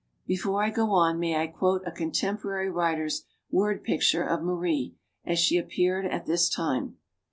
Before I go on, may I quote a contemporary writer's word picture of Marie, as she appeared at this time?